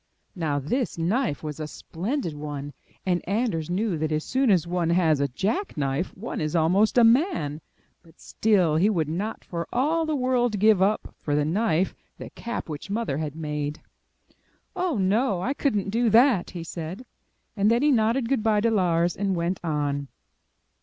'* Now this knife was a splendid one, and Anders knew that as soon as one has a jack knife, one is almost a man. But still he would not for all the world give up, for the knife, the cap which Mother had made. *'0h, no, I could not do that,'* he said. And then MY BOOK HOUSE he nodded good bye to Lars, and went on.